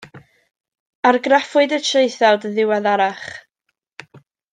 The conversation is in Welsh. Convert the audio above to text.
Argraffwyd y traethawd yn ddiweddarach.